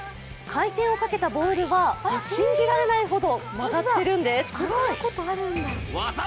回転をかけたボールは信じられないほど曲がっているんです。